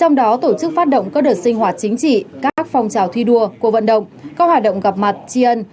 trong đó tổ chức phát động các đợt sinh hoạt chính trị các phong trào thi đua cuộc vận động các hoạt động gặp mặt tri ân